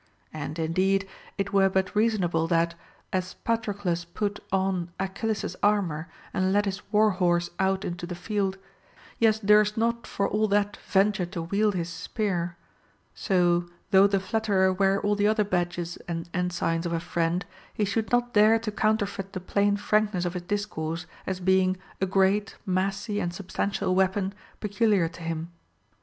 And indeed, it were but reasonable that, — as Patro clus put on Achilles's armor and led his war horse out into the field, yet durst not for all that venture to wield his spear, — so, though the flatterer wear all the other badges and en signs of a friend, he should' not dare to counterfeit the plain frankness of his discourse, as being " a great, massy, and substantial weapon," peculiar to him.